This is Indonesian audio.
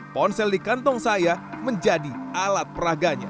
ponsel di kantong saya menjadi alat peraganya